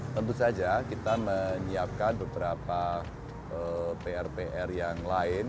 tentu saja kita menyiapkan beberapa pr pr yang lain